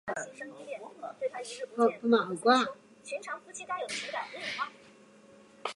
出身于冈山县。